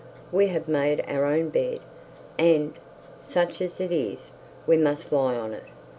We have made our own bed, and, such as it is, we must lie on it.